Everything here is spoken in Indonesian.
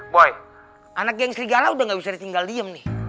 boy anak yang serigala udah gak bisa ditinggal diem nih